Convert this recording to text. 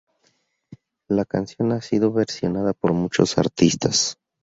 La canción ha sido versionada por muchos artistas.